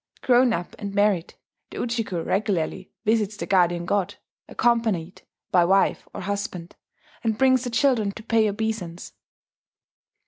Grown up and married, the Ujiko regularly visits the guardian god, accompanied by wife or husband, and brings the children to pay obeisance.